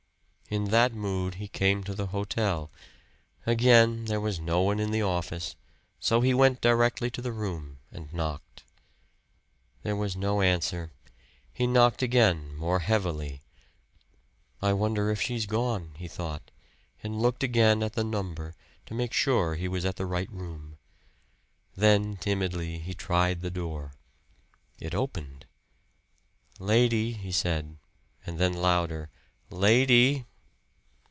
In that mood he came to the hotel. Again there was no one in the office, so he went directly to the room and knocked. There was no answer; he knocked again, more heavily. "I wonder if she's gone," he thought, and looked again at the number, to make sure he was at the right room. Then, timidly, he tried the door. It opened. "Lady," he said, and then louder, "Lady."